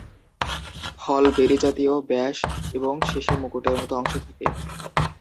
ফল berry জাতীয়, ব্যাস এবং শেষে মুকুটের মত অংশ থাকে।